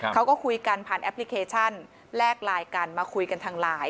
เขาก็คุยกันผ่านแอปพลิเคชันแลกไลน์กันมาคุยกันทางไลน์